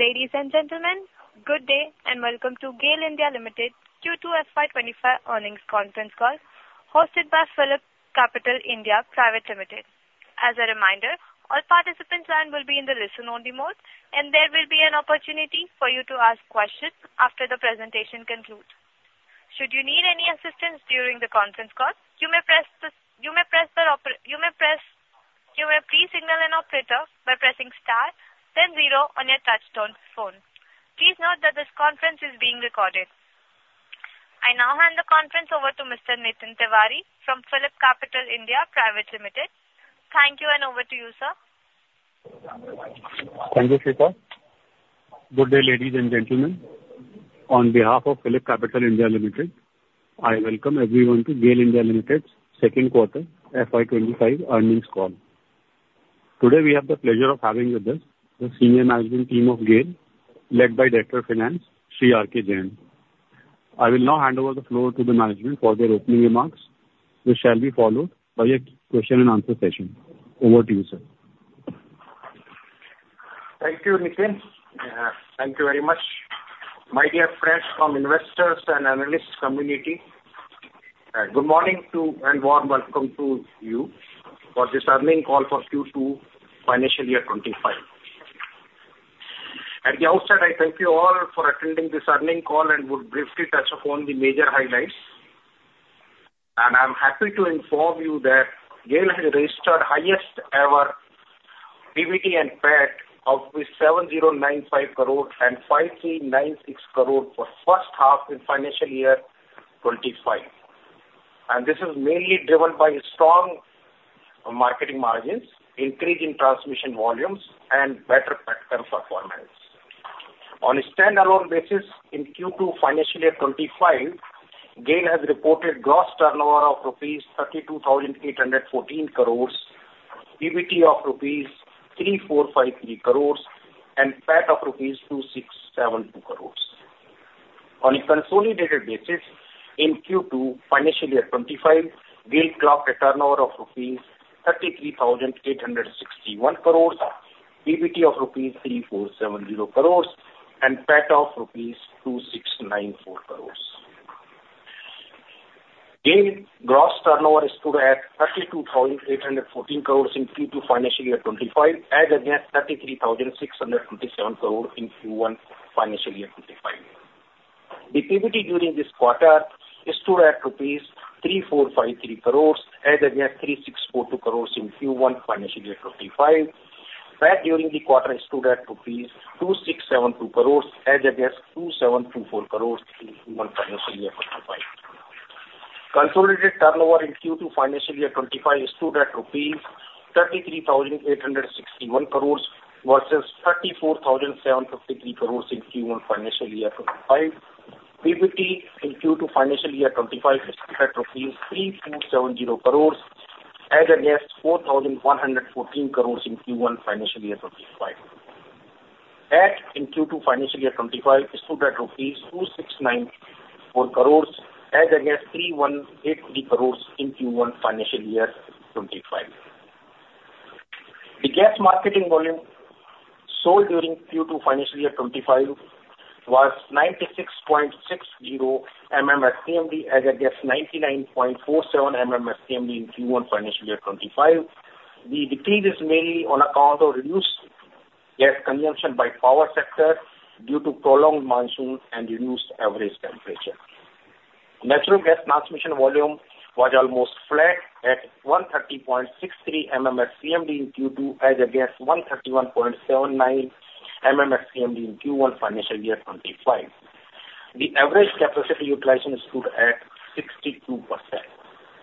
Ladies and gentlemen, good day and welcome to GAIL India Limited Q2 FY 2025 earnings conference call, hosted by PhillipCapital India Private Limited. As a reminder, all participants' lines will be in the listen-only mode, and there will be an opportunity for you to ask questions after the presentation concludes. Should you need any assistance during the conference call, you may please signal an operator by pressing star, then zero on your touchtone phone. Please note that this conference is being recorded. I now hand the conference over to Mr. Nitin Tiwari from PhillipCapital India Private Limited. Thank you, and over to you, sir. Thank you, Shilpa. Good day, ladies and gentlemen. On behalf of PhillipCapital India Private Limited, I welcome everyone to GAIL India Limited's second quarter FY 2025 earnings call. Today, we have the pleasure of having with us the senior management team of GAIL, led by Director of Finance, Shri R.K. Jain. I will now hand over the floor to the management for their opening remarks, which shall be followed by a question-and-answer session. Over to you, sir. Thank you, Nitin. Thank you very much. My dear friends from investors and analyst community, good morning to and warm welcome to you for this earnings call for Q2 financial year 2025. At the outset, I thank you all for attending this earnings call and would briefly touch upon the major highlights. I'm happy to inform you that GAIL has registered highest-ever PBT and PAT of 7,095 crore and 5,396 crore for the first half in financial year 2025. This is mainly driven by strong marketing margins, increase in transmission volumes, and better PAT performance. On a standalone basis, in Q2 financial year 2025, GAIL has reported gross turnover of rupees 32,814 crore, EBITDA of rupees 3,453 crore, and PAT of rupees 2,672 crore. On a consolidated basis, in Q2 financial year 2025, GAIL clocked a turnover of 33,861 crore rupees, PBT of 3,470 crore rupees, and PAT of 2,694 crore rupees. GAIL gross turnover is stood at 32,814 crore in Q2 financial year 2025, as against 33,627 crore in Q1 financial year 2025. The PBT during this quarter is stood at rupees 3,453 crore, as against 3,642 crore in Q1 financial year 2025. PAT during the quarter is stood at rupees 2,672 crore, as against 2,724 crore in Q1 financial year 2025. Consolidated turnover in Q2 financial year 2025 is stood at rupees 33,861 crore versus 34,753 crore in Q1 financial year 2025. PBT in Q2 financial year 2025 is stood at 3,470 crore, as against 4,114 crore in Q1 financial year 2025. PAT in Q2 financial year 2025 is stood at rupees 2,694 crore, as against 3,183 crore in Q1 financial year 2025. The gas marketing volume sold during Q2 financial year 2025 was 96.60 MMSCMD, as against 99.47 MMSCMD in Q1 financial year 2025. The decrease is mainly on account of reduced gas consumption by power sector due to prolonged monsoon and reduced average temperature. Natural gas transmission volume was almost flat at 130.63 MMSCMD in Q2, as against 131.79 MMSCMD in Q1 financial year 2025. The average capacity utilization is stood at 62%.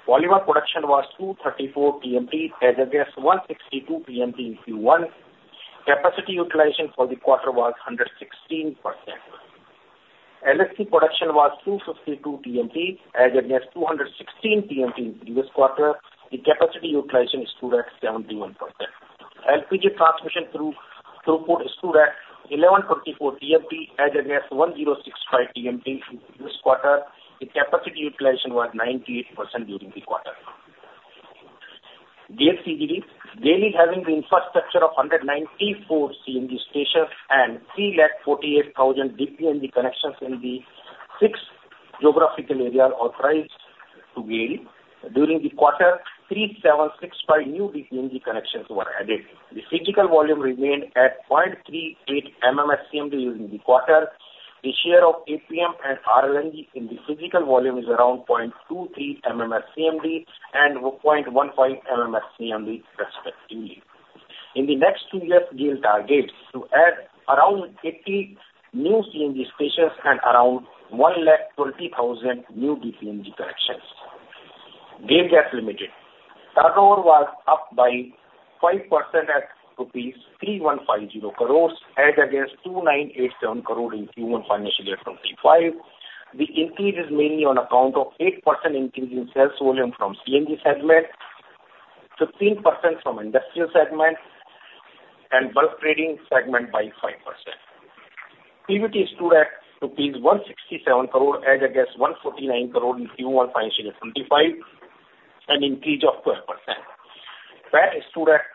Volume of production was 234 TMT, as against 162 TMT in Q1. Capacity utilization for the quarter was 116%. LHC production was 252 TMT, as against 216 TMT in previous quarter. The capacity utilization is stood at 71%. LPG transmission throughput is stood at 1,124 TMT, as against 1,065 TMT in previous quarter. The capacity utilization was 98% during the quarter. GAIL CGD, GAIL, having the infrastructure of 194 CNG stations and 348,000 PNG connections in the six geographical areas authorized to GAIL, during the quarter, 3,765 new PNG connections were added. The physical volume remained at 0.38 MMSCMD during the quarter. The share of APM and RLNG in the physical volume is around 0.23 MMSCMD and 0.15 MMSCMD, respectively. In the next two years, GAIL targets to add around 80 new CNG stations and around 120,000 new PNG connections. GAIL Gas Limited, turnover was up by 5% at rupees 3,150 crore, as against 2,987 crore in Q1 financial year 2025. The increase is mainly on account of 8% increase in sales volume from CNG segment, 15% from industrial segment, and bulk trading segment by 5%. PBT stood at rupees 167 crore, as against 149 crore in Q1 financial year 2025, an increase of 12%. PAT stood at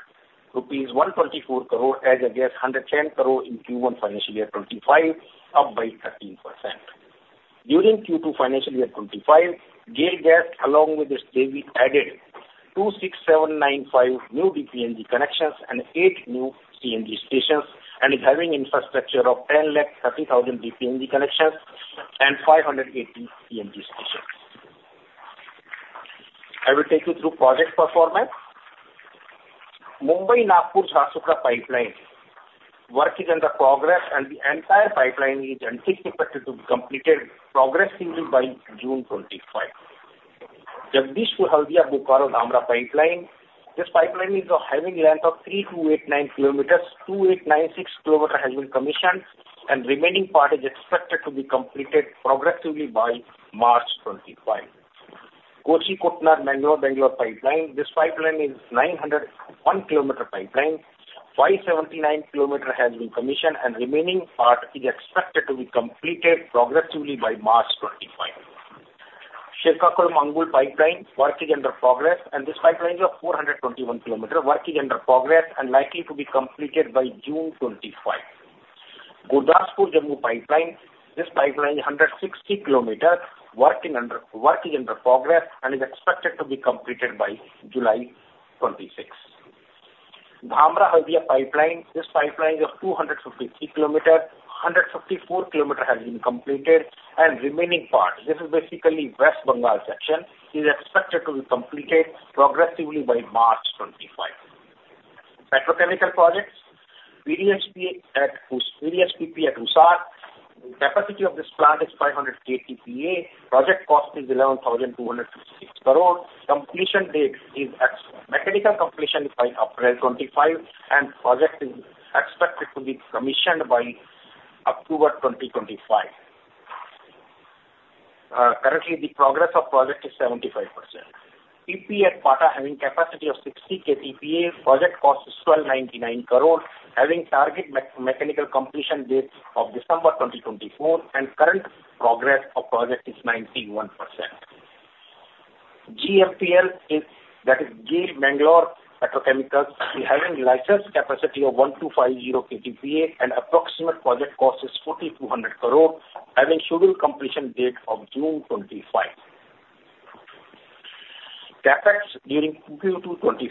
rupees 124 crore, as against 110 crore in Q1 financial year 2025, up by 13%. During Q2 financial year 2025, GAIL Gas, along with its JVs, added 26,795 new PNG connections and 8 new CNG stations. It is having infrastructure of 1,030,000 PNG connections and 580 CNG stations. I will take you through project performance. Mumbai–Nagpur–Jharsuguda pipeline work is under progress, and the entire pipeline is anticipated to be completed progressively by June 2025. Jagdishpur-Haldia-Bokaro-Dhamra pipeline. This pipeline is having a length of 3,289 km. 2,896 km has been commissioned, and the remaining part is expected to be completed progressively by March 2025. Kochi-Koottanad-Bangalore-Mangalore pipeline. This pipeline is a 901 km pipeline. 579 km has been commissioned, and the remaining part is expected to be completed progressively by March 2025. Srikakulam-Angul pipeline work is under progress, and this pipeline is 421 km. Work is under progress and likely to be completed by June 2025 Gurdaspur-Jammu pipeline. This pipeline is 160 km. Work is under progress and is expected to be completed by July 2026. Dhamra-Haldia Pipeline. This pipeline is 253 km. 154 km has been completed, and the remaining part, this is basically West Bengal section, is expected to be completed progressively by March 2025. Petrochemical Projects. PDH-PP at Usar. The capacity of this plant is 500 KTPA. Project cost is 11,256 crore. Completion date is mechanical completion by April 2025, and the project is expected to be commissioned by October 2025. Currently, the progress of the project is 75%. PP at Pata having a capacity of 60 KTPA. Project cost is 1,299 crore, having target mechanical completion date of December 2024, and the current progress of the project is 91%. GMPL, that is GAIL Mangalore Petrochemicals, is having a licensed capacity of 1250 KTPA, and the approximate project cost is 4,200 crore, having a scheduled completion date of June 2025. CAPEX during Q2 2025.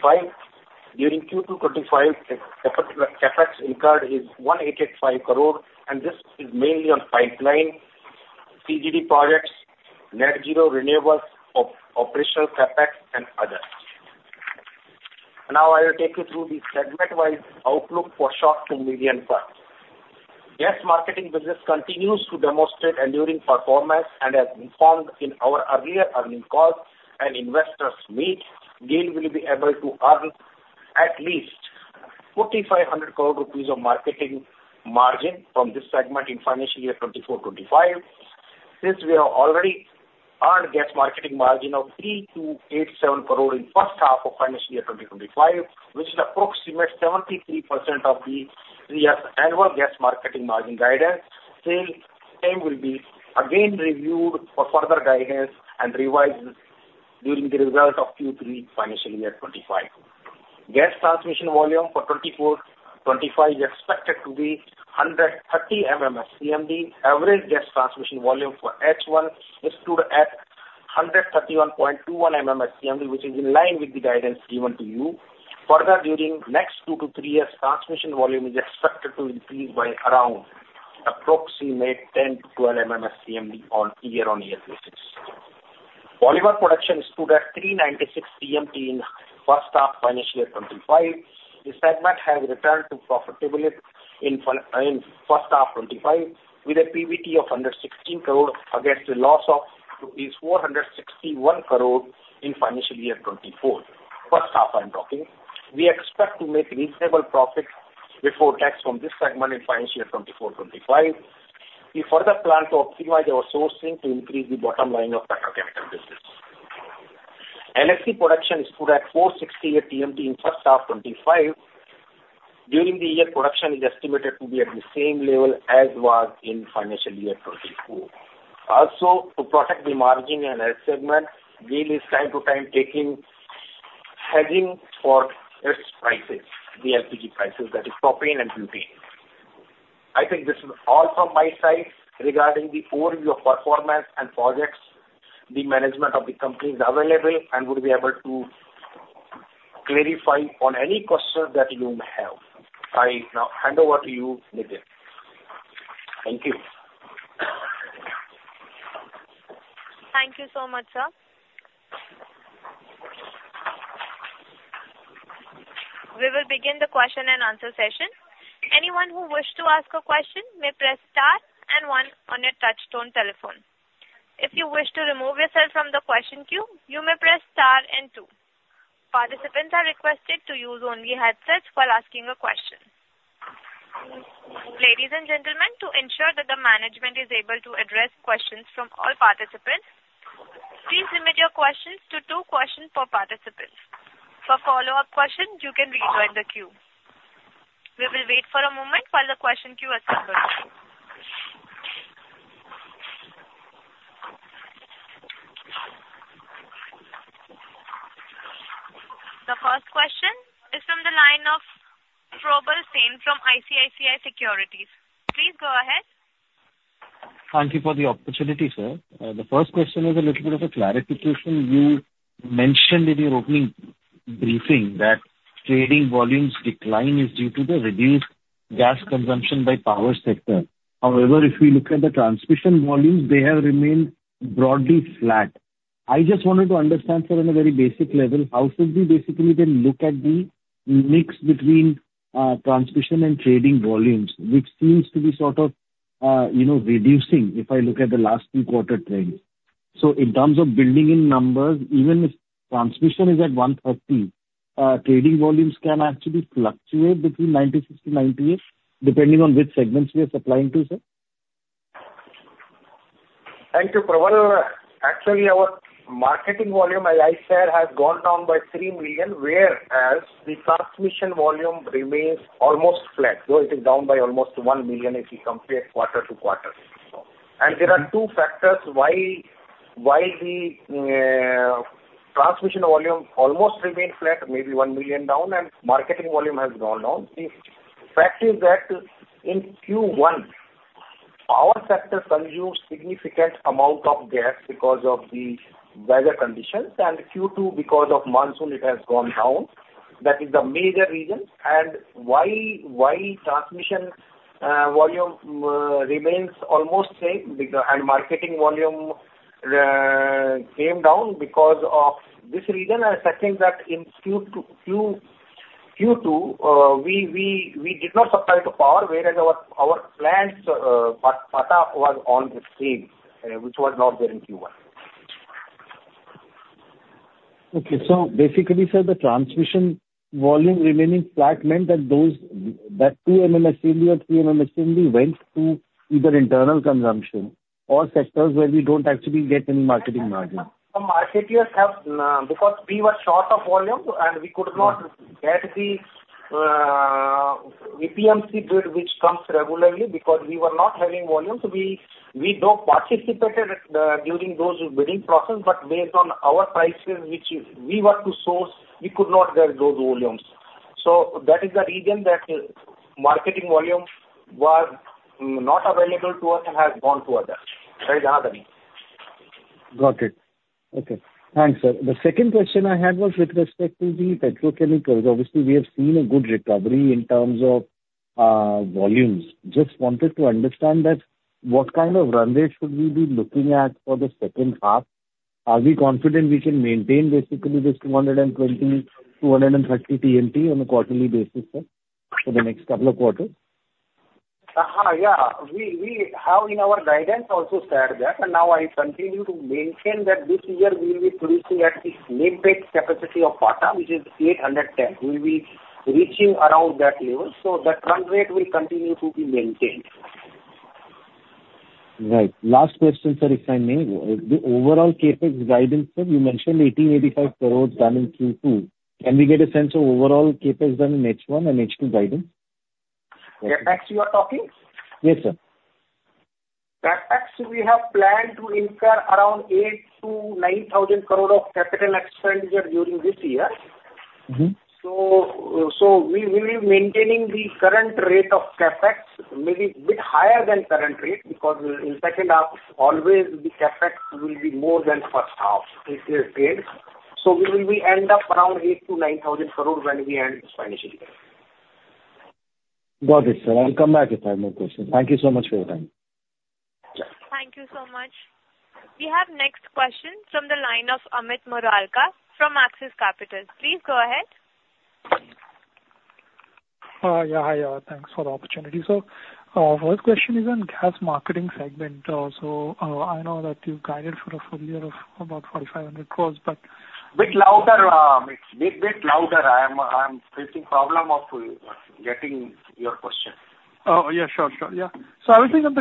During Q2 2025, CAPEX incurred is 1885 crore, and this is mainly on pipeline, CGD projects, net-zero renewables, operational CAPEX, and others. Now, I will take you through the segment-wise outlook for short-term medium term. GAIL's marketing business continues to demonstrate enduring performance and has informed in our earlier earnings calls and investors' meetings. GAIL will be able to earn at least INR 4,500 crore of marketing margin from this segment in financial year 2024-2025. Since we have already earned a gas marketing margin of 3,287 crore in the first half of financial year 2025, which is approximately 73% of the three-year annual gas marketing margin guidance, the same will be again reviewed for further guidance and revised during the results of Q3 financial year 2025. Gas transmission volume for 2024-2025 is expected to be 130 MMSCMD. Average gas transmission volume for H1 stood at 131.21 MMSCMD, which is in line with the guidance given to you. Further, during the next two to three years, transmission volume is expected to increase by around approximately 10-12 MMSCMD on a year-on-year basis. Volume of production stood at 396 TMT in the first half of financial year 2025. The segment has returned to profitability in the first half of 2025, with a PBT of 116 crore against a loss of 461 crore in financial year 2024. First half, I'm talking. We expect to make reasonable profits before tax from this segment in financial year 2024-2025. We further plan to optimize our sourcing to increase the bottom line of the petrochemical business. LHC production stood at 468 TMT in the first half of 2025. During the year, production is estimated to be at the same level as it was in financial year 2024. Also, to protect the margin and hedge segment, GAIL is from time to time taking hedging for its prices, the LPG prices, that is propane and butane. I think this is all from my side regarding the overview of performance and projects. The management of the company is available and would be able to clarify on any questions that you may have. I now hand over to you, Nitin. Thank you. Thank you so much, sir. We will begin the question and answer session. Anyone who wished to ask a question may press star and one on your touchtone telephone. If you wish to remove yourself from the question queue, you may press star and two. Participants are requested to use only headsets while asking a question. Ladies and gentlemen, to ensure that the management is able to address questions from all participants, please limit your questions to two questions per participant. For follow-up questions, you can rejoin the queue. We will wait for a moment while the question queue assembles. The first question is from the line of Probal Sen from ICICI Securities. Please go ahead. Thank you for the opportunity, sir. The first question is a little bit of a clarification. You mentioned in your opening briefing that trading volume's decline is due to the reduced gas consumption by power sector. However, if we look at the transmission volumes, they have remained broadly flat. I just wanted to understand, sir, on a very basic level, how should we basically then look at the mix between transmission and trading volumes, which seems to be sort of reducing if I look at the last two-quarter trends. So in terms of building in numbers, even if transmission is at 130, trading volumes can actually fluctuate between 96-98, depending on which segments we are supplying to, sir? Thank you, Probal. Actually, our marketing volume, as I said, has gone down by three million, whereas the transmission volume remains almost flat, so it is down by almost one million if you compare quarter to quarter, and there are two factors why the transmission volume almost remained flat, maybe one million down, and marketing volume has gone down. The fact is that in Q1, power sector consumed a significant amount of gas because of the weather conditions, and Q2, because of monsoon, it has gone down. That is the major reason, and while transmission volume remains almost the same, and marketing volume came down because of this reason, I think that in Q2, we did not supply the power, whereas our plants, Pata was on the same, which was not there in Q1. Basically, sir, the transmission volume remaining flat meant that two MMSCMD or three MMSCMD went to either internal consumption or sectors where we don't actually get any marketing margin? The marketers have because we were short of volume, and we could not get the APM bid, which comes regularly because we were not having volume. So, though we participated during those bidding processes, but based on our prices, which we were to source, we could not get those volumes. So that is the reason that marketing volume was not available to us and has gone to others. That is another reason. Got it. Okay. Thanks, sir. The second question I had was with respect to the petrochemicals. Obviously, we have seen a good recovery in terms of volumes. Just wanted to understand that what kind of run rate should we be looking at for the second half? Are we confident we can maintain basically this 220-230 TMT on a quarterly basis, sir, for the next couple of quarters? Yeah. We have in our guidance also said that, and now I continue to maintain that this year we will be producing at the same capacity of PATA, which is 810. We will be reaching around that level so that run rate will continue to be maintained. Right. Last question, sir, if I may. The overall CapEx guidance, sir, you mentioned 1,885 crore done in Q2. Can we get a sense of overall CapEx done in H1 and H2 guidance? CapEx you are talking? Yes, sir. CapEx, we have planned to incur around 8,000-9,000 crore of capital expenditure during this year. So we will be maintaining the current rate of CapEx, maybe a bit higher than current rate because in the second half, always the CapEx will be more than first half, if it is paid. So we will end up around 8,000-9,000 crore when we end this financial year. Got it, sir. I'll come back if I have more questions. Thank you so much for your time. Thank you so much. We have next question from the line of Amit Murarka from Axis Capital. Please go ahead. Yeah. Hi, thank you for the opportunity. So first question is on gas marketing segment. So I know that you guided for a full year of about 4,500 crores, but. bit louder. It's a bit louder. I'm facing a problem of getting your question. Oh, yeah. Sure, sure. Yeah. So, I was thinking on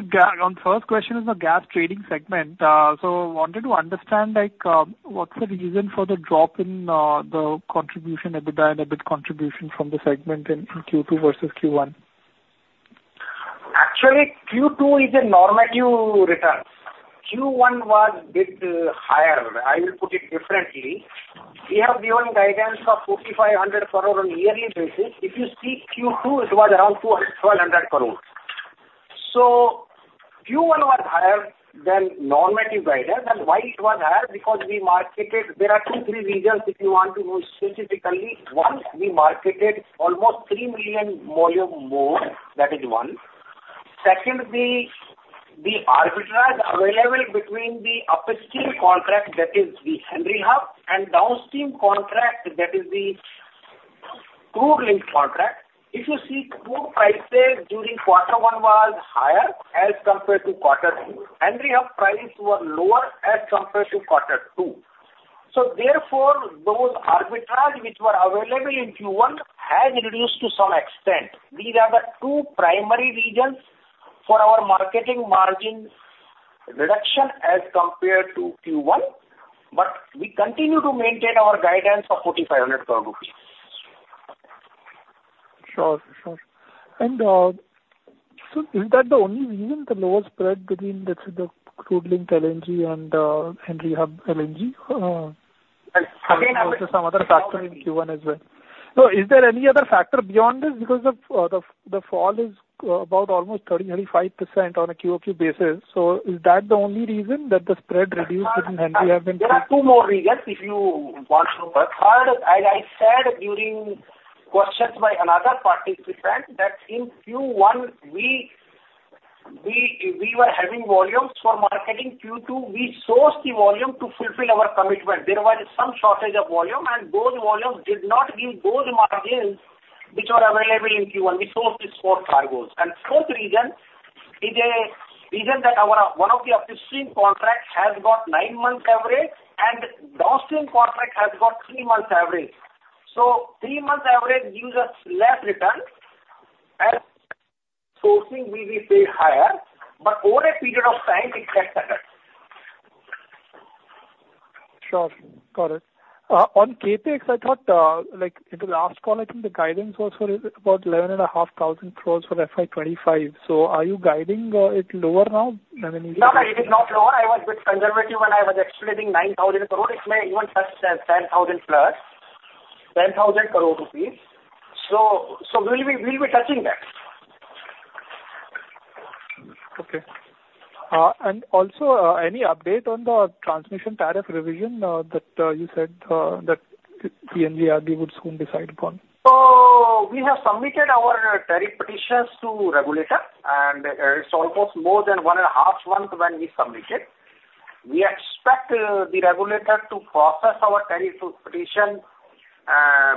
the first question is the gas trading segment. So, I wanted to understand what's the reason for the drop in the contribution, EBITDA and EBIT contribution from the segment in Q2 versus Q1? Actually, Q2 is a normative return. Q1 was a bit higher. I will put it differently. We have given guidance of 4,500 crore on a yearly basis. If you see Q2, it was around 1,200 crore. So Q1 was higher than normative guidance, and why it was higher? Because we marketed, there are two, three reasons if you want to know specifically. One, we marketed almost 3 million volume more. That is one. Second, the arbitrage available between the upstream contract, that is the Henry Hub, and downstream contract, that is the crude link contract. If you see crude prices during quarter one was higher as compared to quarter two. Henry Hub prices were lower as compared to quarter two. So therefore, those arbitrage which were available in Q1 has reduced to some extent. These are the two primary reasons for our marketing margin reduction as compared to Q1. But we continue to maintain our guidance of 4,500 crore. Sure, sure. And so is that the only reason, the lower spread between the crude link LNG and Henry Hub LNG? And some other. Some other factor in Q1 as well. So is there any other factor beyond this? Because the fall is about almost 30%-35% on a Q2 basis. So is that the only reason that the spread reduced in Henry Hub and? There are two more reasons if you want to work hard. As I said during questions by another participant, that in Q1, we were having volumes for marketing. In Q2, we sourced the volume to fulfill our commitment. There was some shortage of volume, and those volumes did not give those margins which were available in Q1. We sourced these four cargoes and fourth reason is a reason that one of the upstream contract has got nine months average, and downstream contract has got three months average, so three months average gives us less return as sourcing will be paid higher, but over a period of time, it gets better. Sure. Got it. On CapEx, I thought in the last call, I think the guidance was for about 11,500 crores for FY25. So are you guiding it lower now? No, it is not lower. I was a bit conservative when I was explaining 9,000 crore. It may even touch 10,000+, 10,000 crore rupees. So we will be touching that. Okay. And also, any update on the transmission tariff revision that you said that PNGRB would soon decide upon? So we have submitted our tariff petitions to the regulator, and it's almost more than one and a half months when we submit it. We expect the regulator to process our tariff petition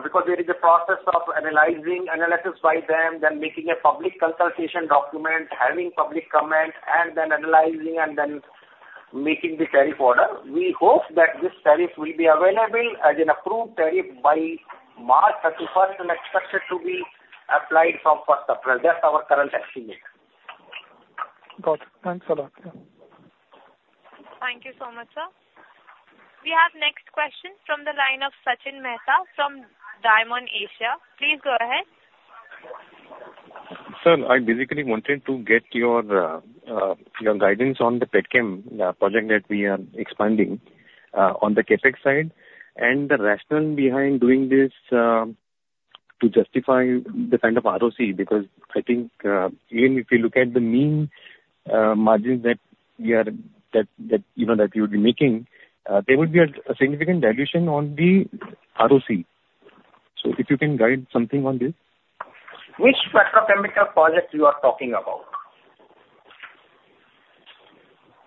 because there is a process of analysis by them, then making a public consultation document, having public comment, and then analyzing and then making the tariff order. We hope that this tariff will be available as an approved tariff by March 31st and expected to be applied from 1st April. That's our current estimate. Got it. Thanks a lot. Thank you so much, sir. We have next question from the line of Sachin Mehta from Diamond Asia. Please go ahead. Sir, I basically wanted to get your guidance on the petchem project that we are expanding on the CapEx side and the rationale behind doing this to justify the kind of ROC because I think even if you look at the mean margin that you would be making, there would be a significant dilution on the ROC. So if you can guide something on this. Which petrochemical project you are talking about?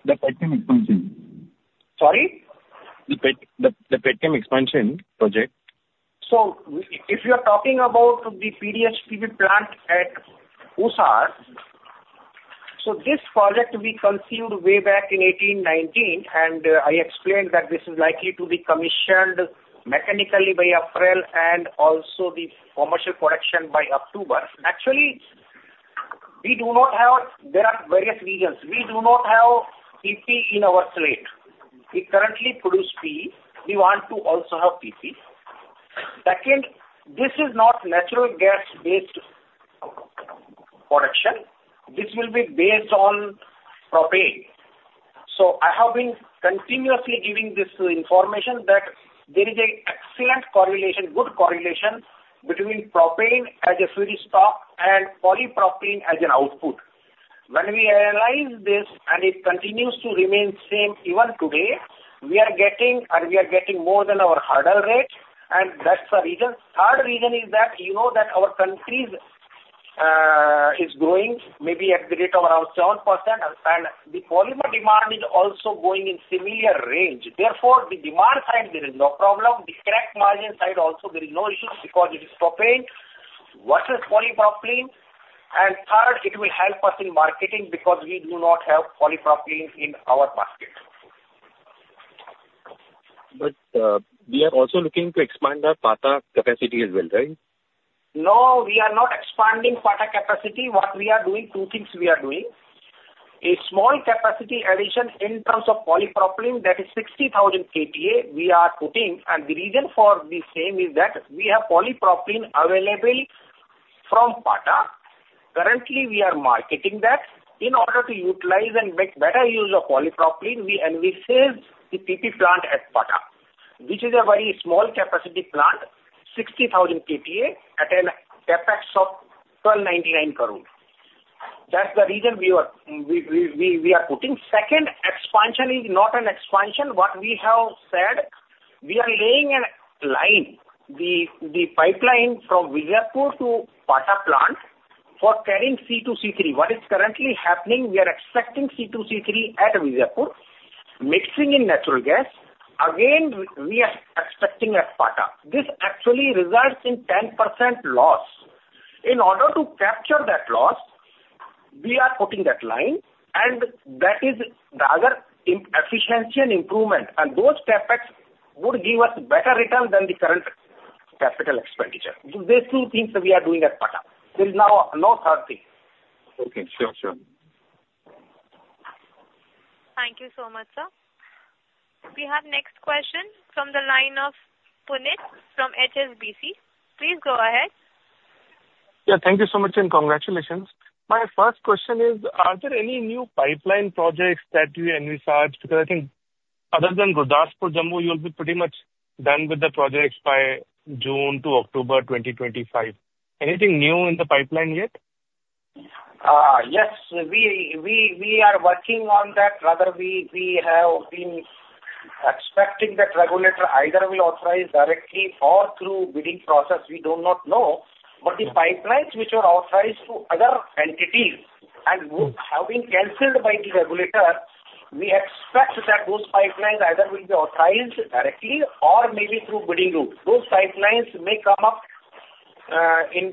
The petchem expansion. Sorry? The petchem expansion project. So if you are talking about the PDH-PP plant at Usar, so this project we conceived way back in 2019, and I explained that this is likely to be commissioned mechanically by April and also the commercial production by October. Actually, we do not have. There are various reasons. We do not have PP in our slate. We currently produce PE. We want to also have PP. Second, this is not natural gas-based production. This will be based on propane. So I have been continuously giving this information that there is an excellent correlation, good correlation between propane as a feedstock and polypropylene as an output. When we analyze this and it continues to remain same even today, we are getting more than our hurdle rate, and that's the reason. Third reason is that you know that our country is growing maybe at the rate of around 7%, and the polymer demand is also going in similar range. Therefore, the demand side, there is no problem. The correct margin side also, there is no issue because it is propane versus polypropylene. And third, it will help us in marketing because we do not have polypropylene in our market. But we are also looking to expand our PATA capacity as well, right? No, we are not expanding Pata capacity. What we are doing, two things we are doing. A small capacity addition in terms of polypropylene that is 60,000 KTPA we are putting, and the reason for the same is that we have polypropylene available from Pata. Currently, we are marketing that. In order to utilize and make better use of polypropylene, we envisage the PP plant at Pata, which is a very small capacity plant, 60,000 KTPA at a CAPEX of 1,299 crore. That's the reason we are putting. Second, expansion is not an expansion. What we have said, we are laying a line, the pipeline from Vijaipur to Pata plant for carrying C2, C3. What is currently happening, we are expecting C2, C3 at Vijaipur mixing in natural gas. Again, we are expecting at Pata. This actually results in 10% loss. In order to capture that loss, we are putting that line, and that is the other efficiency and improvement. And those CapEx would give us better return than the current capital expenditure. These two things we are doing at PATA. There is no third thing. Okay. Sure, sure. Thank you so much, sir. We have next question from the line of Puneet from HSBC. Please go ahead. Yeah. Thank you so much and congratulations. My first question is, are there any new pipeline projects that you envisage? Because I think other than Gurdaspur, Jammu, you'll be pretty much done with the projects by June to October 2025. Anything new in the pipeline yet? Yes. We are working on that. Rather, we have been expecting that regulator either will authorize directly or through bidding process. We do not know. But the pipelines which were authorized to other entities and having canceled by the regulator, we expect that those pipelines either will be authorized directly or maybe through bidding group. Those pipelines may come up in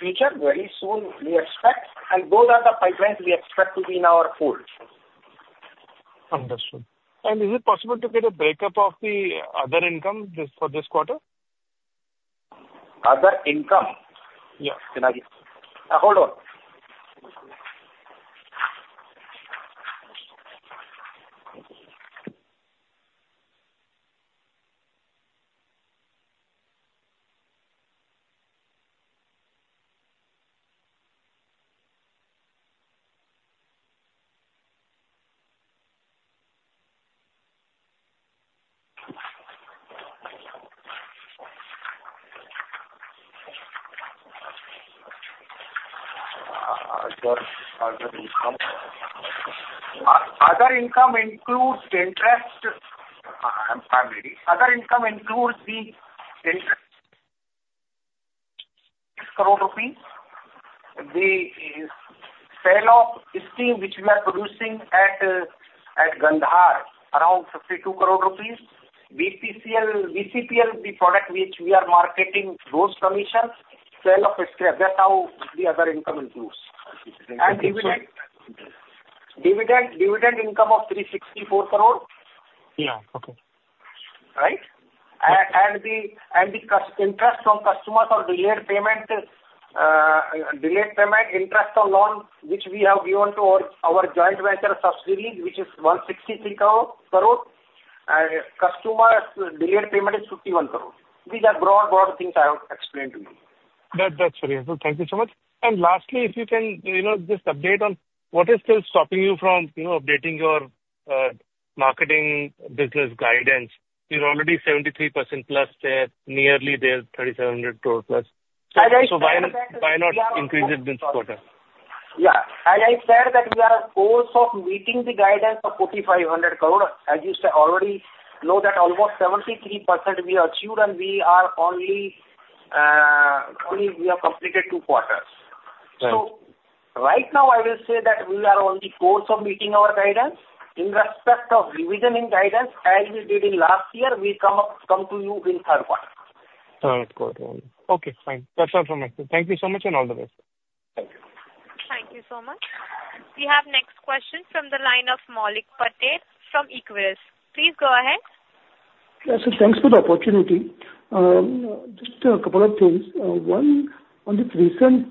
future very soon, we expect. And those are the pipelines we expect to be in our fold. Understood. And is it possible to get a break-up of the other income for this quarter? Other income? Yeah. Can I? Hold on. Other income? Other income includes interest. I'm sorry. Other income includes the interest crore rupees. The sale of steam which we are producing at Gandhar around INR 52 crore. BCPL, the product which we are marketing, those commission, sale of steam. That's how the other income includes. And dividend? Dividend income of 364 crore. Yeah. Okay. Right? And the interest on customers or delayed payment, delayed payment, interest on loan which we have given to our joint venture subsidiaries, which is 163 crore. Customer delayed payment is 51 crore. These are broad, broad things I have explained to you. That's very helpful. Thank you so much. And lastly, if you can just update on what is still stopping you from updating your marketing business guidance. You're already 73% plus there. Nearly there's 3,700 crore plus. So why not increase it this quarter? Yeah. As I said, that we are also meeting the guidance of 4,500 crore. As you already know, that almost 73% we achieved, and we have only completed two quarters. So right now, I will say that we are only close to meeting our guidance. In respect of revision in guidance, as we did in last year, we come to you in third quarter. Third quarter. Okay. Fine. That's all from me. Thank you so much and all the best. Thank you. Thank you so much. We have next question from the line of Maulik Patel from Equirus. Please go ahead. Yes. Thanks for the opportunity. Just a couple of things. One, on this recent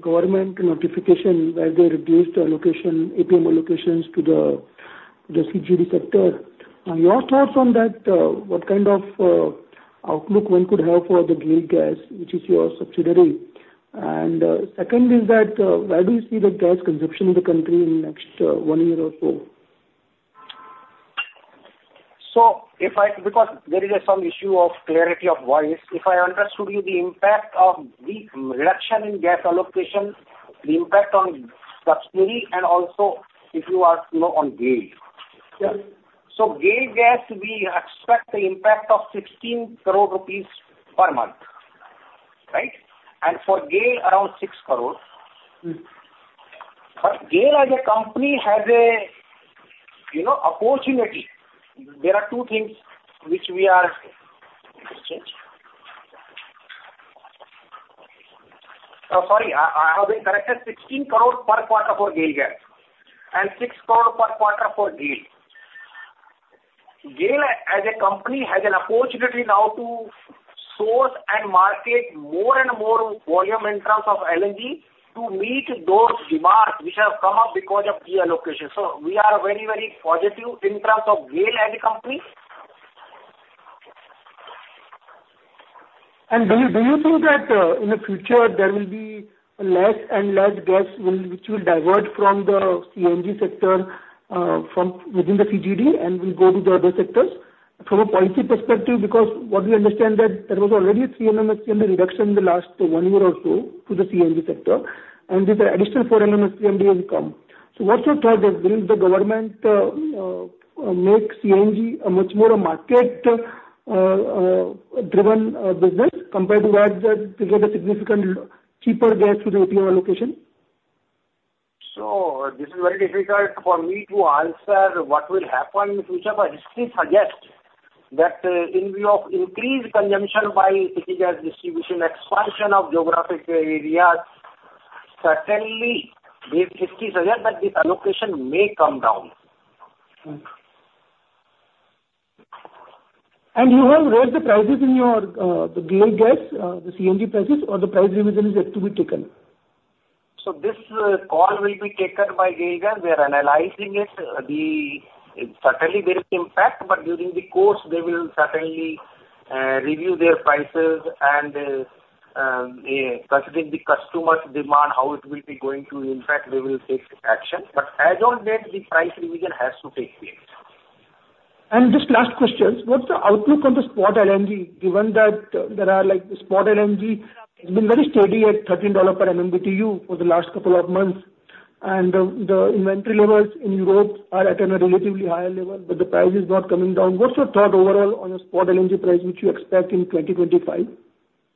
government notification where they reduced allocation, APM allocations to the CGD sector. Your thoughts on that? What kind of outlook one could have for the GAIL Gas, which is your subsidiary? And second is that, where do you see the gas consumption in the country in the next one year or so? So because there is some issue of clarity of voice, if I understood you, the impact of the reduction in gas allocation, the impact on the subsidiary and also on GAIL. So GAIL Gas, we expect the impact of 16 crore rupees per month, right? And for GAIL, around 6 crore. But GAIL as a company has an opportunity. There are two things which we are sorry. I have been corrected. 16 crore per quarter for GAIL Gas and 6 crore per quarter for GAIL. GAIL as a company has an opportunity now to source and market more and more volume in terms of LNG to meet those demands which have come up because of GAIL allocation. So we are very, very positive in terms of GAIL as a company. Do you think that in the future, there will be less and less gas which will divert from the CNG sector within the CGD and will go to the other sectors? From a policy perspective, because what we understand that there was already a three SCM reduction in the last one year or so to the CNG sector, and with the additional four SCM, they will come. What's your thought that will the government make CNG a much more market-driven business compared to that that they get a significant cheaper gas through the APM allocation? So this is very difficult for me to answer what will happen in the future, but history suggests that in view of increased consumption by city gas distribution, expansion of geographic areas, certainly history suggests that this allocation may come down. You have raised the prices in your GAIL Gas, the CNG prices, or the price revision is yet to be taken? So this call will be taken by GAIL Gas. They are analyzing it. Certainly, there is impact, but during the course, they will certainly review their prices and considering the customer's demand, how it will be going to impact, they will take action. But as of late, the price revision has to take place. Just the last question. What's the outlook on the spot LNG given that the spot LNG has been very steady at $13 per MMBTU for the last couple of months, and the inventory levels in Europe are at a relatively higher level, but the price is not coming down? What's your thought overall on the spot LNG price, which you expect in 2025?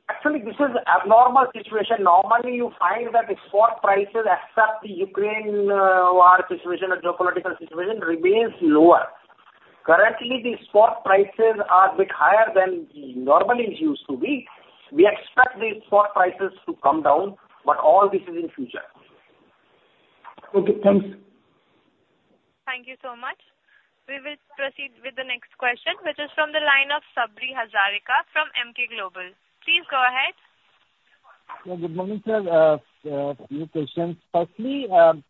Actually, this is an abnormal situation. Normally, you find that the spot prices, except the Ukraine war situation or geopolitical situation, remains lower. Currently, the spot prices are a bit higher than normally used to be. We expect the spot prices to come down, but all this is in future. Okay. Thanks. Thank you so much. We will proceed with the next question, which is from the line of Sabri Hazarika from Emkay Global. Please go ahead. Yeah. Good morning, sir. A few questions. Firstly, on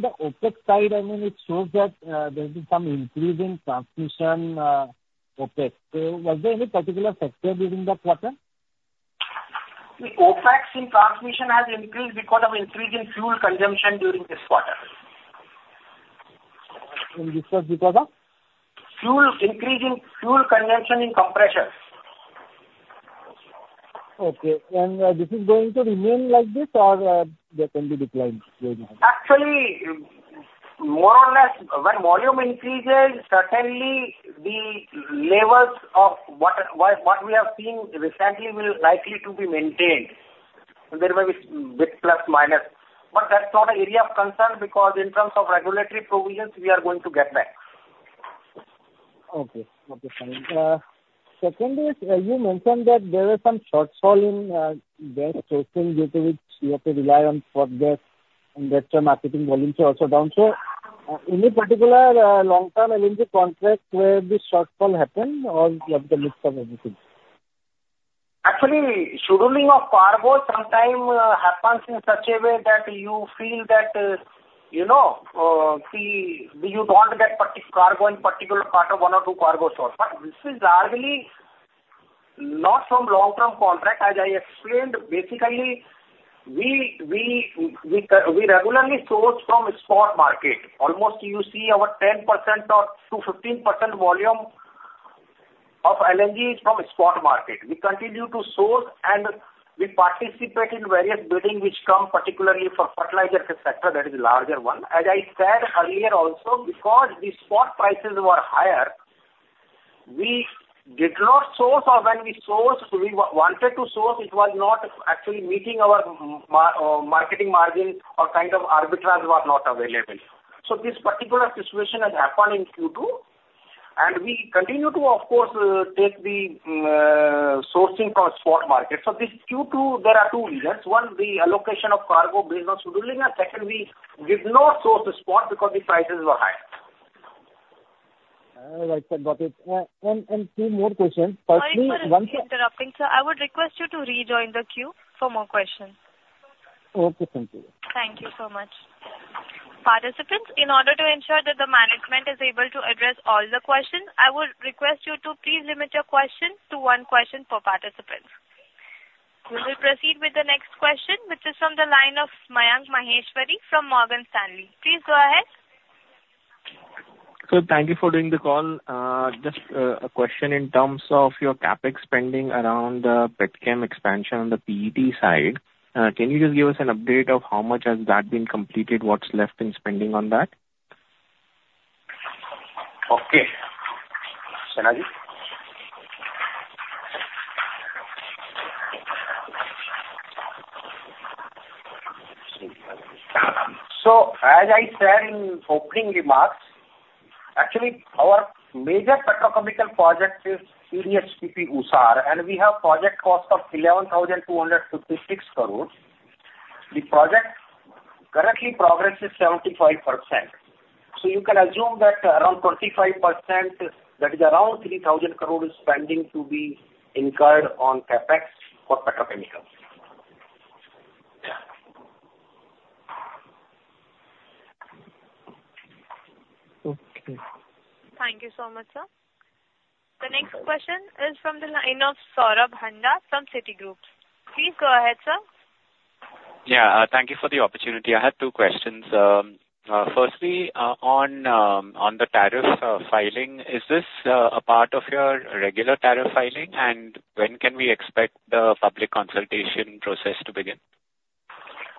the OpEx side, I mean, it shows that there's been some increase in transmission OpEx. So was there any particular factor during that quarter? The OpEx in transmission has increased because of increase in fuel consumption during this quarter. This was because of? Fuel increase in fuel consumption in compression. Okay. And this is going to remain like this or there can be decline? Actually, more or less, when volume increases, certainly the levels of what we have seen recently will likely to be maintained. There may be a bit plus minus. But that's not an area of concern because in terms of regulatory provisions, we are going to get back. Okay. Fine. Second is, you mentioned that there were some shortfall in gas sourcing due to which you have to rely on spot gas and that marketing volume also down. So any particular long-term LNG contract where this shortfall happened or the mix of everything? Actually, shuttling of cargo sometimes happens in such a way that you feel that you don't get cargo in particular part of one or two cargo stores. But this is largely not from long-term contract. As I explained, basically, we regularly source from spot market. Almost you see our 10% or 15% volume of LNG is from spot market. We continue to source and we participate in various bidding which come particularly for fertilizer sector that is a larger one. As I said earlier also, because the spot prices were higher, we did not source or when we sourced, we wanted to source, it was not actually meeting our marketing margin or kind of arbitrage was not available. So this particular situation has happened in Q2, and we continue to, of course, take the sourcing from spot market. So this Q2, there are two reasons. One, the allocation of cargo based on shuttling, and second, we did not source spot because the prices were higher. I like that, Got it. And two more questions. Firstly, one second. Sorry for interrupting, sir. I would request you to rejoin the queue for more questions. Okay. Thank you. Thank you so much. Participants, in order to ensure that the management is able to address all the questions, I would request you to please limit your question to one question per participant. We will proceed with the next question, which is from the line of Mayank Maheshwari from Morgan Stanley. Please go ahead. Thank you for doing the call. Just a question in terms of your CapEx spending around the PetChem expansion on the PET side. Can you just give us an update of how much has that been completed, what's left in spending on that? Okay. Sanjay. So as I said in opening remarks, actually, our major petrochemical project is PDH-PP Usar, and we have project cost of 11,256 crore. The project current progress is 75%. So you can assume that around 25%, that is around 3,000 crore is spending to be incurred on CapEx for petrochemicals. Okay. Thank you so much, sir. The next question is from the line of Saurabh Handa from Citigroup. Please go ahead, sir. Yeah. Thank you for the opportunity. I had two questions. Firstly, on the tariff filing, is this a part of your regular tariff filing, and when can we expect the public consultation process to begin?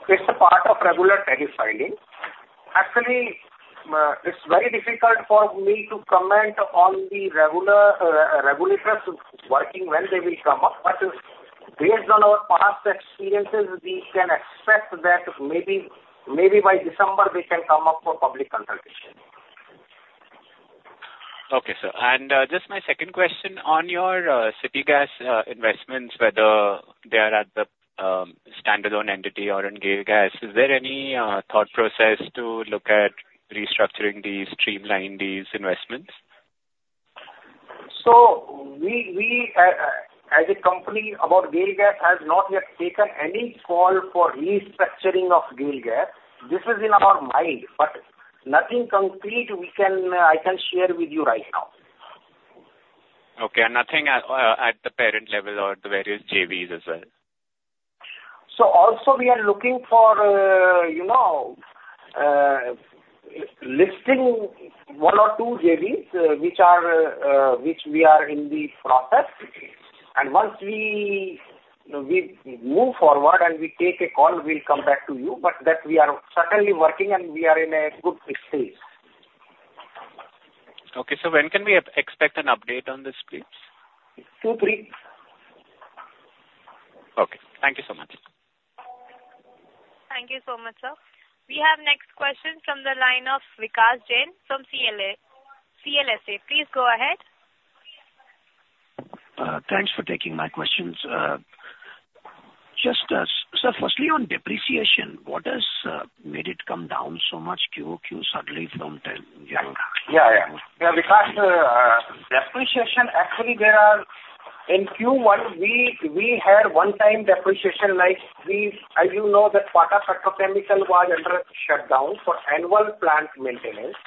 It's a part of regular tariff filing. Actually, it's very difficult for me to comment on the regulators working when they will come up. But based on our past experiences, we can expect that maybe by December, they can come up for public consultation. Okay, sir, and just my second question on your city gas investments, whether they are at the standalone entity or in GAIL Gas, is there any thought process to look at restructuring these, streamlining these investments? So we, as a company, about GAIL Gas, have not yet taken any call for restructuring of GAIL Gas. This is in our mind, but nothing concrete I can share with you right now. Okay. And nothing at the parent level or the various JVs as well? So, also, we are looking for listing one or two JVs which we are in the process. And once we move forward and we take a call, we'll come back to you. But that we are certainly working, and we are in a good phase. Okay. So when can we expect an update on this, please? Two, three. Okay. Thank you so much. Thank you so much, sir. We have next question from the line of Vikash Jain from CLSA. Please go ahead. Thanks for taking my questions. Just firstly, on depreciation, what has made it come down so much? QoQ suddenly from 10. Vikas sir, depreciation, actually, there are in Q1, we had one-time depreciation. As you know, that part of petrochemical was under shutdown for annual plant maintenance.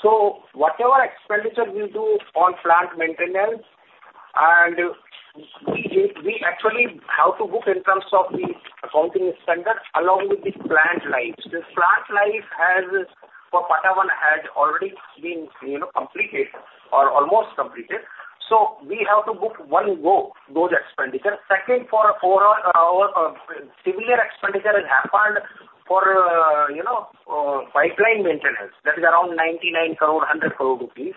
So whatever expenditure we do on plant maintenance, and we actually have to book in terms of the accounting standard along with the plant life. The plant life for PATA has already been completed or almost completed. So we have to book one go those expenditure. Second, for our similar expenditure has happened for pipeline maintenance. That is around 99 crore, 100 crore rupees.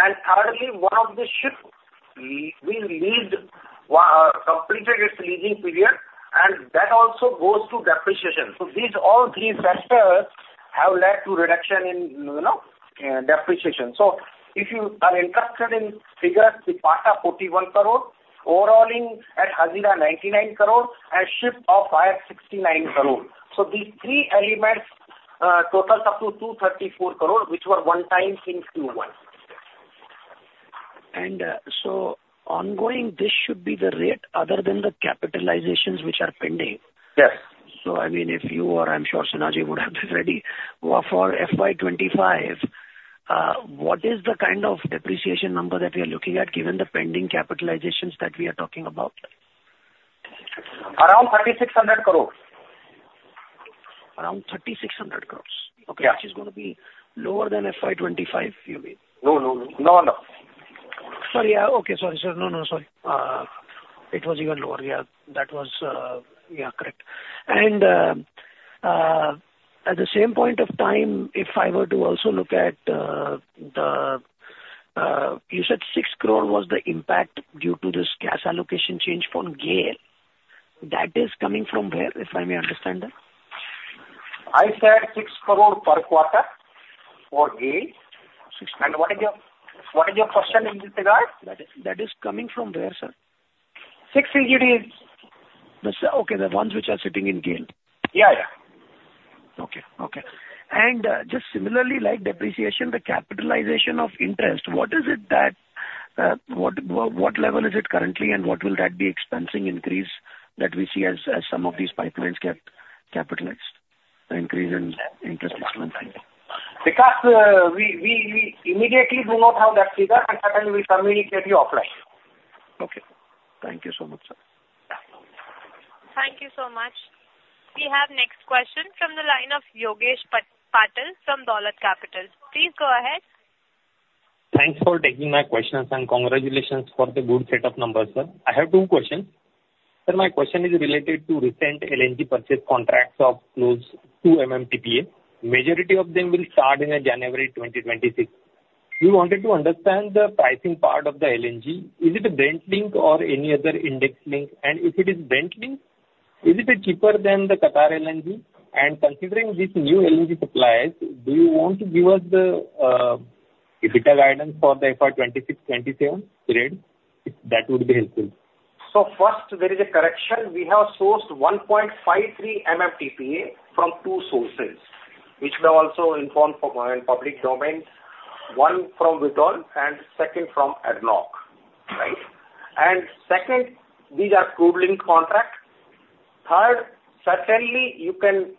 And thirdly, one of the ship completed its leasing period, and that also goes to depreciation. So these all three factors have led to reduction in depreciation. So if you are interested in figures, the part of INR 41 crore, overall at Hazira INR 99 crore, and ship of INR 569 crore. These three elements total up to 234 crore, which were one-time in Q1. Ongoing, this should be the rate other than the capitalizations which are pending. Yes. I mean, if you or I'm sure Sanjay would have this ready, for FY 2025, what is the kind of depreciation number that we are looking at given the pending capitalizations that we are talking about? Around 3,600 crore. Around 3,600 crores. Yes. Okay. Which is going to be lower than FY 2025, you mean? No, no, no. No, no. Sorry. Yeah. Okay. Sorry, sir. No, no. Sorry. It was even lower. Yeah. That was yeah, correct. And at the same point of time, if I were to also look at the, you said 6 crore was the impact due to this gas allocation change for GAIL. That is coming from where, if I may understand that? I said six crore per quarter for GAIL. INR 6 crore. What is your percentage in this regard? That is coming from where, sir? 6 CGDs. Okay. The ones which are sitting in GAIL. Yeah. Yeah. Okay. And just similarly, like depreciation, the capitalization of interest, what is it? What level is it currently, and what will that be expensing increase that we see as some of these pipelines get capitalized? Increase in interest expensing. Vikas, sir, we immediately do not have that figure, and certainly we communicate you offline. Okay. Thank you so much, sir. Thank you so much. We have next question from the line of Yogesh Patil from Dolat Capital. Please go ahead. Thanks for taking my questions, and congratulations for the good setup number, sir. I have two questions. Sir, my question is related to recent LNG purchase contracts of close to MMTPA. Majority of them will start in January 2026. We wanted to understand the pricing part of the LNG. Is it a Brent link or any other index link? And if it is Brent link, is it cheaper than the Qatar LNG? And considering these new LNG suppliers, do you want to give us the EBITDA guidance for the FY 2026- 2027 period? That would be helpful. First, there is a correction. We have sourced 1.53 MMTPA from two sources, which we also informed in public domain. One from Vitol and second from ADNOC. Right? And second, these are crude-linked contracts. Third, certainly you can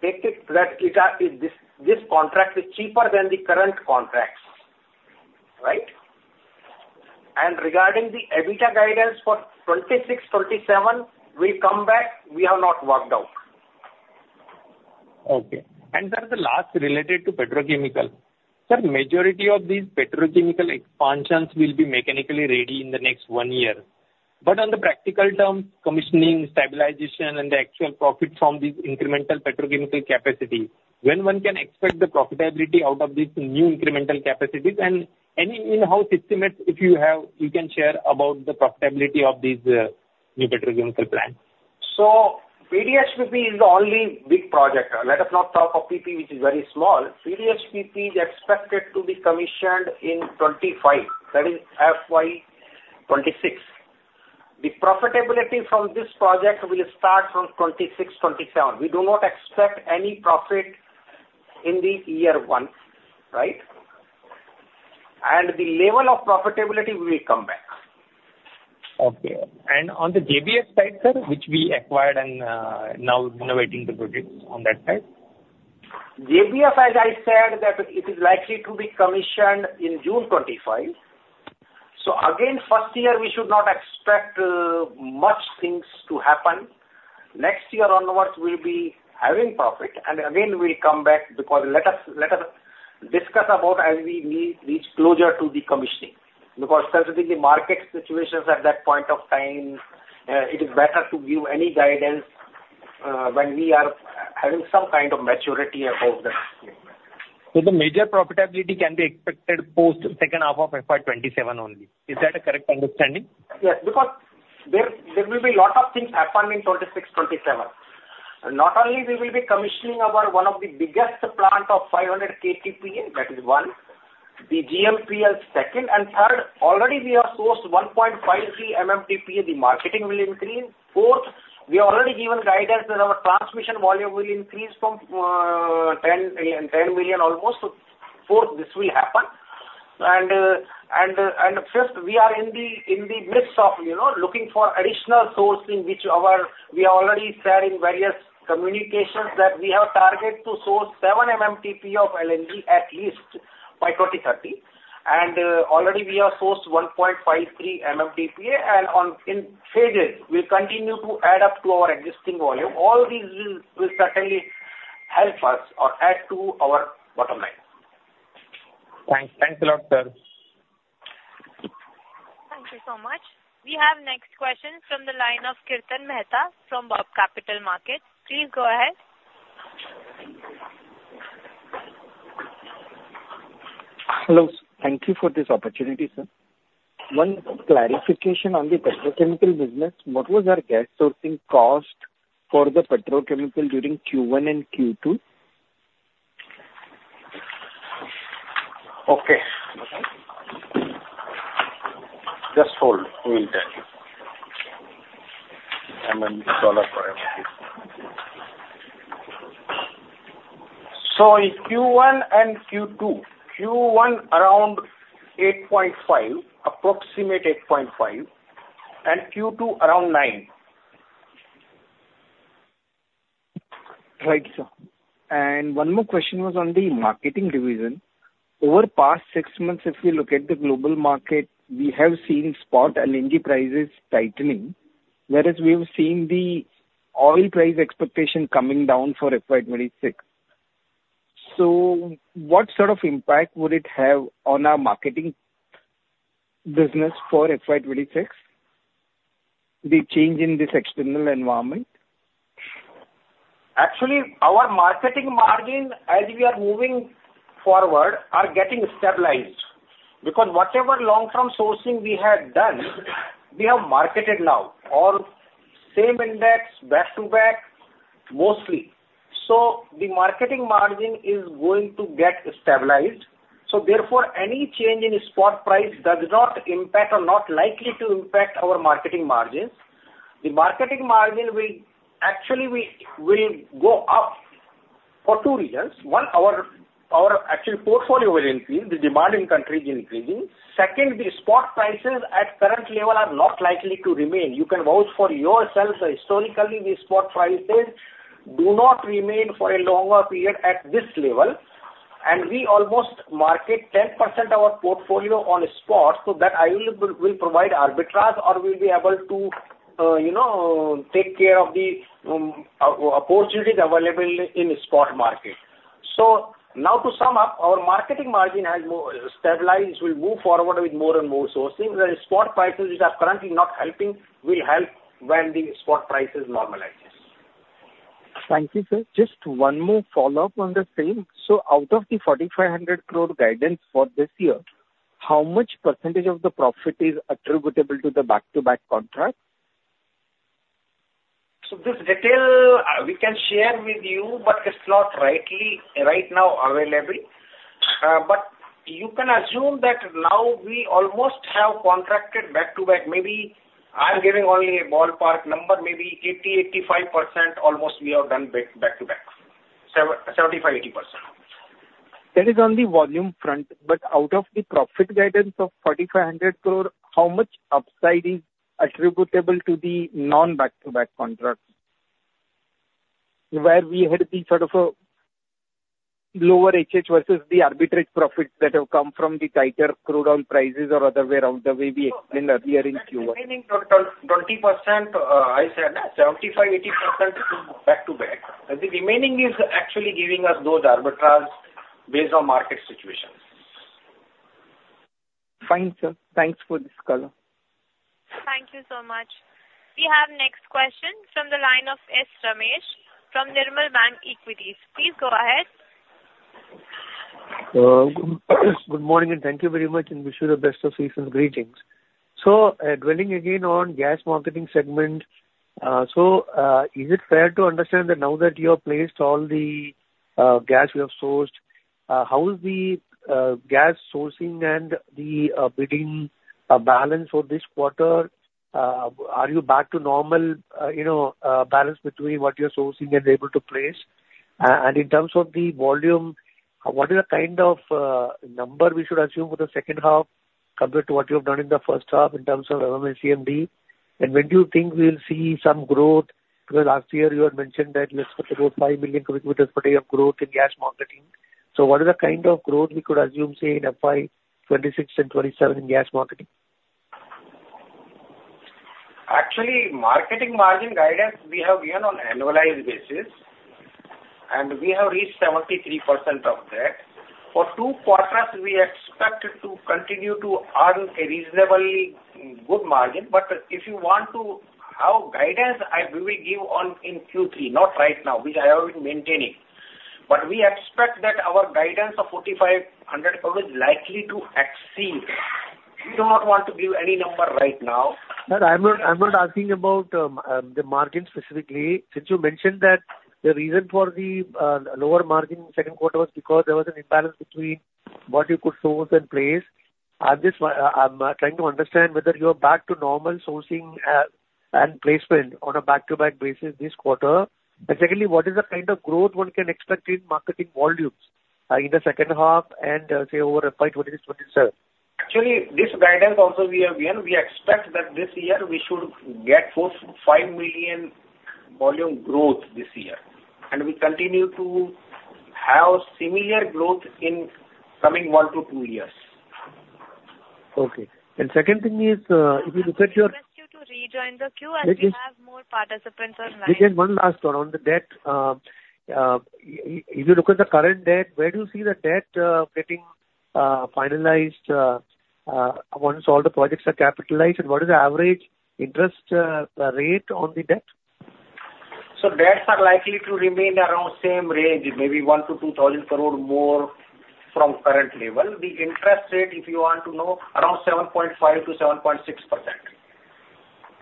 take it that this contract is cheaper than the current contracts. Right? And regarding the EBITDA guidance for 2026-2027, we'll come back. We have not worked out. Okay. And sir, the last related to petrochemical. Sir, majority of these petrochemical expansions will be mechanically complete in the next one year. But on the practical terms, commissioning, stabilization, and the actual profit from these incremental petrochemical capacity, when one can expect the profitability out of these new incremental capacities? And any in-house estimates if you have, you can share about the profitability of these new petrochemical plants? So PDH-PP is the only big project. Let us not talk of PPP, which is very small. PDH-PP is expected to be commissioned in 2025. That is FY 2026. The profitability from this project will start from 26-27. We do not expect any profit in the year one. Right? And the level of profitability, we will come back. Okay. On the JBF side, sir, which we acquired and now renovating the projects on that side? JBF, as I said, that it is likely to be commissioned in June 2025. So again, first year, we should not expect much things to happen. Next year onwards, we'll be having profit. And again, we'll come back because let us discuss about as we reach closer to the commissioning. Because certainly, the market situations at that point of time, it is better to give any guidance when we are having some kind of maturity about that. So the major profitability can be expected post second half of FY 2027 only. Is that a correct understanding? Yes. Because there will be a lot of things happen in 2026-2027. Not only we will be commissioning our one of the biggest plant of 500 KTPA, that is one. The GMPL second. And third, already we have sourced 1.53 MMTPA. The marketing will increase. Fourth, we are already given guidance that our transmission volume will increase from 10 million almost. Fourth, this will happen. And fifth, we are in the midst of looking for additional sourcing, which we have already said in various communications that we have targeted to source 7 MMTPA of LNG at least by 2030. And already we have sourced 1.53 MMTPA. And in phases, we'll continue to add up to our existing volume. All these will certainly help us or add to our bottom line. Thanks. Thanks a lot, sir. Thank you so much. We have next question from the line of Kirtan Mehta from BOB Capital Markets. Please go ahead. Hello. Thank you for this opportunity, sir. One clarification on the petrochemical business. What was our gas sourcing cost for the petrochemical during Q1 and Q2? Okay. Just hold. We'll tell you. And then we'll call up for MMTPA. So in Q1 and Q2, Q1 around 8.5, approximate 8.5, and Q2 around 9. Right, sir. And one more question was on the marketing division. Over past six months, if we look at the global market, we have seen spot LNG prices tightening, whereas we have seen the oil price expectation coming down for FY 2026. So what sort of impact would it have on our marketing business for FY 2026? The change in this external environment? Actually, our marketing margin, as we are moving forward, are getting stabilized because whatever long-term sourcing we had done, we have marketed now on same index, back to back, mostly so the marketing margin is going to get stabilized so therefore any change in spot price does not impact or not likely to impact our marketing margins. The marketing margin will actually go up for two reasons. One, our actual portfolio will increase. The demand in countries is increasing. Second, the spot prices at current level are not likely to remain. You can see for yourself that historically, the spot prices do not remain for a longer period at this level and we almost market 10% of our portfolio on spot so that we'll provide arbitrage or we'll be able to take care of the opportunities available in the spot market. So now to sum up, our marketing margin has stabilized. We'll move forward with more and more sourcing. The spot prices, which are currently not helping, will help when the spot prices normalize. Thank you, sir. Just one more follow-up on the same. So out of the 4,500 crore guidance for this year, how much % of the profit is attributable to the back-to-back contract? So, this detail we can share with you, but it's not right now available, but you can assume that now we almost have contracted back-to-back. Maybe I'm giving only a ballpark number. Maybe 80%-85% almost we have done back-to-back. 75%-80%. That is on the volume front. But out of the profit guidance of 4,500 crore, how much upside is attributable to the non-back-to-back contracts? Where we had the sort of lower HH versus the arbitrage profits that have come from the tighter crude oil prices or other way around the way we explained earlier in Q1. Remaining total 20%. I said 75%-80% back-to-back. The remaining is actually giving us those arbitrage based on market situation. Fine, sir. Thanks for this color. Thank you so much. We have next question from the line of S. Ramesh from Nirmal Bang Equities. Please go ahead. Good morning and thank you very much. And wish you the best of festive greetings. So dwelling again on gas marketing segment, so is it fair to understand that now that you have placed all the gas you have sourced, how is the gas sourcing and the selling balance for this quarter? Are you back to normal balance between what you're sourcing and able to place? And in terms of the volume, what is the kind of number we should assume for the second half compared to what you have done in the first half in terms of MMSCMD? And when do you think we'll see some growth? Because last year, you had mentioned that you expected about five MMSCMD of growth in gas marketing. So what is the kind of growth we could assume, say, in FY 2026 and 2027 in gas marketing? Actually, marketing margin guidance we have given on annualized basis. And we have reached 73% of that. For two quarters, we expect to continue to earn a reasonably good margin. But if you want to have guidance, we will give one in Q3, not right now, which I have been maintaining. But we expect that our guidance of 4,500 crore is likely to exceed. We do not want to give any number right now. Sir, I'm not asking about the margin specifically. Since you mentioned that the reason for the lower margin in second quarter was because there was an imbalance between what you could source and place, I'm trying to understand whether you are back to normal sourcing and placement on a back-to-back basis this quarter, and secondly, what is the kind of growth one can expect in marketing volumes in the second half and say over FY 2026-2027? Actually, this guidance also we have given, we expect that this year we should get five million volume growth this year, and we continue to have similar growth in coming one to two years. Okay. Second thing is, if you look at your. We'll ask you to rejoin the queue as we have more participants online. Vijay, one last one on the debt. If you look at the current debt, where do you see the debt getting finalized once all the projects are capitalized? And what is the average interest rate on the debt? Debts are likely to remain around same range, maybe 1,000 crore- 2,000 crore more from current level. The interest rate, if you want to know, around 7.5%-7.6%.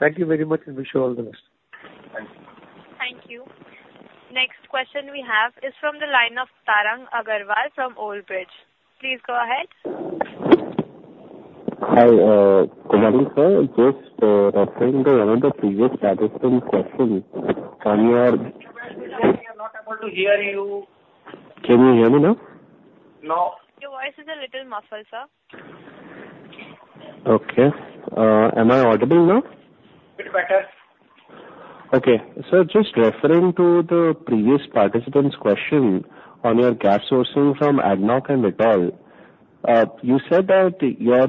Thank you very much, and wish you all the best. Thank you. Thank you. Next question we have is from the line of Tarang Agrawal from Old Bridge. Please go ahead. Hi, commenting, sir. Just referring to one of the previous participant questions on your. Vijay, we are not able to hear you. Can you hear me now? No. Your voice is a little muffled, sir. Okay. Am I audible now? A bit better. Okay. Sir, just referring to the previous participant's question on your gas sourcing from ADNOC and Vitol, you said that your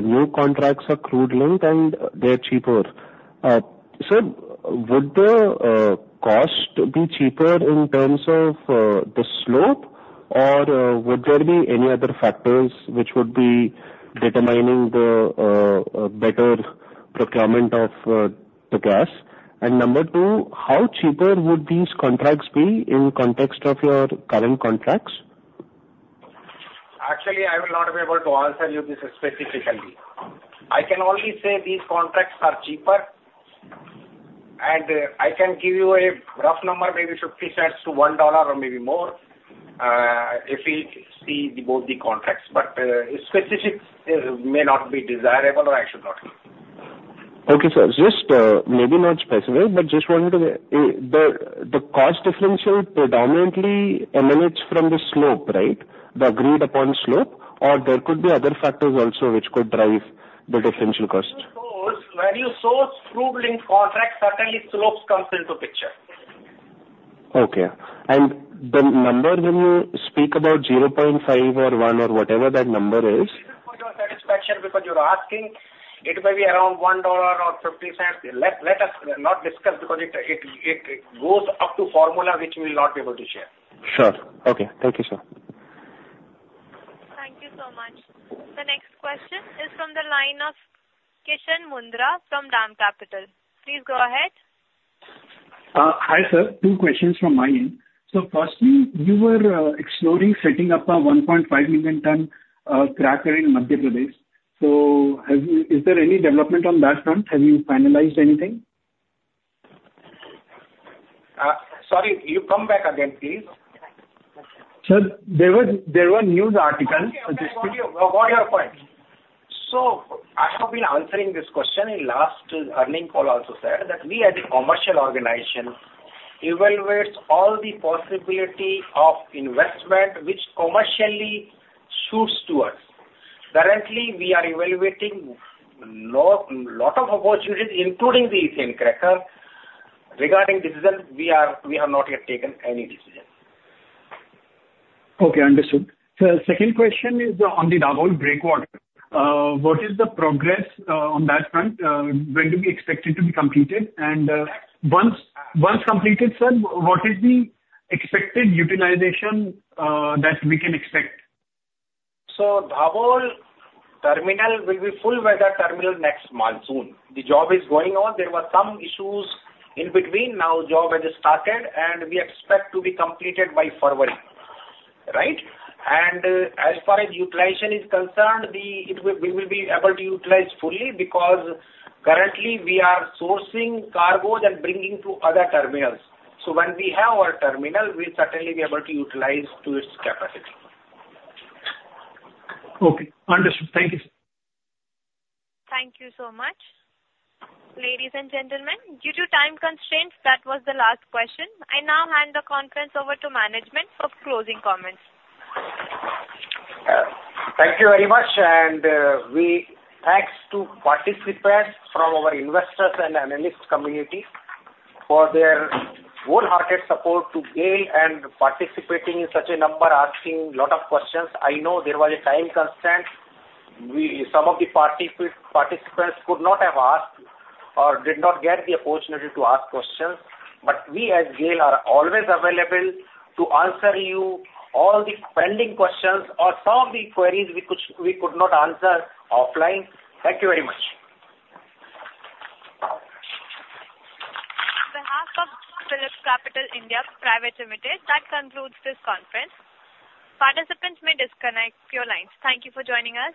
new contracts are crude linked and they are cheaper. Sir, would the cost be cheaper in terms of the slope, or would there be any other factors which would be determining the better procurement of the gas? And number two, how cheaper would these contracts be in context of your current contracts? Actually, I will not be able to answer you this specifically. I can only say these contracts are cheaper. And I can give you a rough number, maybe $0.50-$1 or maybe more if we see both the contracts. But specifics may not be desirable, or I should not. Okay, sir. Just maybe not specific, but just wanted to know if the cost differential predominantly emanates from the slope, right? The agreed-upon slope. Or there could be other factors also which could drive the differential cost? When you source crude linked contracts, certainly slopes come into the picture. Okay. And the number, when you speak about 0.5 or 1 or whatever that number is. For your satisfaction, because you're asking, it may be around $1 or $0.50. Let us not discuss because it goes up to formula which we will not be able to share. Sure. Okay. Thank you, sir. Thank you so much. The next question is from the line of Kishan Mundhra from DAM Capital. Please go ahead. Hi, sir. Two questions from my end. So firstly, you were exploring setting up a 1.5 million-ton cracker in Madhya Pradesh. So is there any development on that front? Have you finalized anything? Sorry, you come back again, please. Sir, there were news articles. What's your point? So as I've been answering this question, in last earnings call, I also said that we as a commercial organization evaluate all the possibility of investment which commercially suits to us. Currently, we are evaluating a lot of opportunities, including the Ethane cracker. Regarding decision, we have not yet taken any decision. Okay, understood. Sir, second question is on the Dabhol breakwater. What is the progress on that front? When do we expect it to be completed, and once completed, sir, what is the expected utilization that we can expect? So Dabhol terminal will be full weather terminal next monsoon. The job is going on. There were some issues in between. Now job has started, and we expect to be completed by February, right? And as far as utilization is concerned, we will be able to utilize fully because currently we are sourcing cargo that bringing to other terminals. So when we have our terminal, we'll certainly be able to utilize to its capacity. Okay. Understood. Thank you, sir. Thank you so much. Ladies and gentlemen, due to time constraints, that was the last question. I now hand the conference over to management for closing comments. Thank you very much. We thank participants from our investors and analyst community for their wholehearted support to GAIL and participating in such a manner asking a lot of questions. I know there was a time constraint. Some of the participants could not have asked or did not get the opportunity to ask questions. We as GAIL are always available to answer all your pending questions or some of the queries we could not answer offline. Thank you very much. On behalf of PhillipCapital India Private Limited, that concludes this conference. Participants may disconnect your lines. Thank you for joining us.